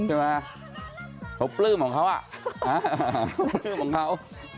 ใช่ไหมเขาปลื้มของเขาเขาปลื้มของเขา